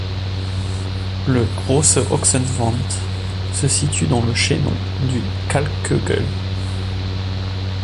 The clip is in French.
Le Große Ochsenwand se situe dans le chaînon du Kalkkögel.